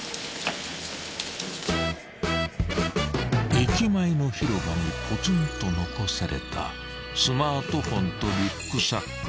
［駅前の広場にポツンと残されたスマートフォンとリュックサック］